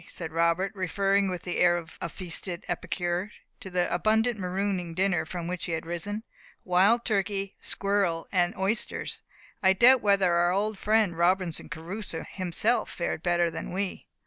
said Robert, referring, with the air of a feasted epicure, to the abundant marooning dinner from which he had risen. "Wild turkey, squirrel, and oysters! I doubt whether our old friend Robinson Crusoe himself fared better than we."